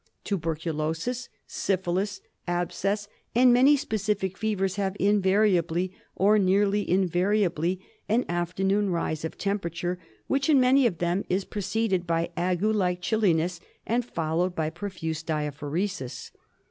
Tuberculosis, syphilis, abscess, and many specific fevers have invariably, or nearly invariably, an afternoon rise of temperature which, in many of them, is preceded by ague like chilli ness and followed by profuse diaphoresis.